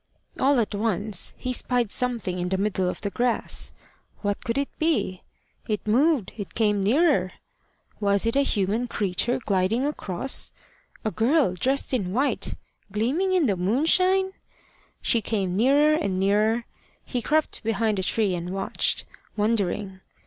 All at once he spied something in the middle of the grass. What could it be? It moved; it came nearer. Was it a human creature, gliding across a girl dressed in white, gleaming in the moonshine? She came nearer and nearer. He crept behind a tree and watched, wondering.